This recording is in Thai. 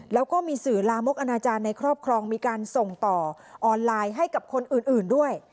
แล้วก็มีสื่อลามกอนาจารย์ในครอบครองมีการส่งต่อออนไลน์ให้กับคนอื่นด้วย